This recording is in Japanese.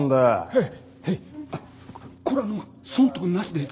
はい。